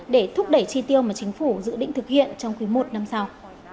để thúc đẩy chi tiêu mà chính phủ dự định thực hiện trong quý i năm sau